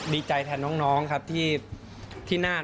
ดีใจแทนน้องครับที่น่า